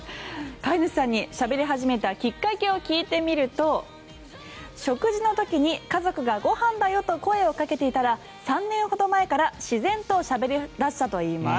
飼い主さんにしゃべり始めたきっかけを聞いてみると食事の時に家族がご飯だよと声をかけていたら３年ほど前から自然としゃべり出したといいます。